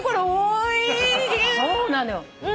そうなのよ。